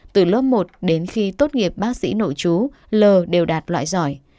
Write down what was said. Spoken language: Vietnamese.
từ lớp một đến khi tốt nghiệp bác sĩ nội chú l đều đạt loại giỏi